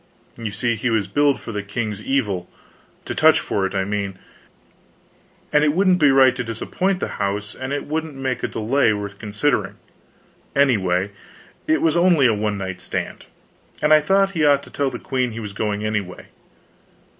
You see, he was billed for the king's evil to touch for it, I mean and it wouldn't be right to disappoint the house and it wouldn't make a delay worth considering, anyway, it was only a one night stand. And I thought he ought to tell the queen he was going away.